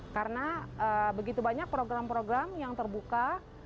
karena begitu banyak program program yang terbuka